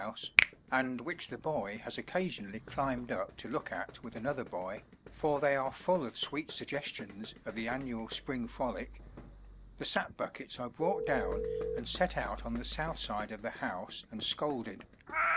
143 & M Y BOOK HOUSE and which the boy has occasionally climbed up to look at with another boy, for they are full of sweet suggestions of the annual spring frolic, — the sap buckets are brought down and set out on the south side of the house and scalded.